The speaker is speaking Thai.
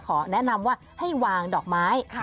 ขอแนะนำว่าให้วางดอกไม้